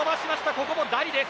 ここもダリです。